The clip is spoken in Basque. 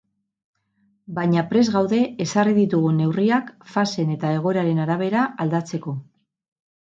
Baina prest gaude ezarri ditugun neurriak faseen eta egoeraren arabera aldatzeko.